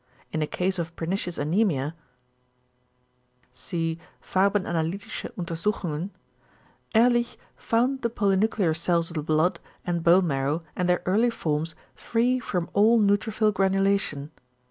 In a case of pernicious anæmia (cp. Farbenanalytische untersuchungen) Ehrlich found the polynuclear cells of the blood and bone marrow and their early forms free from all neutrophil granulation.